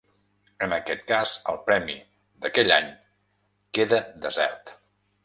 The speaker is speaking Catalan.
En aquest cas, el premi d'aquell any queda desert.